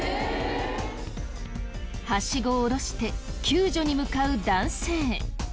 ハシゴを下ろして救助に向かう男性。